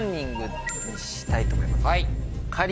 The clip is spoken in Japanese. はい。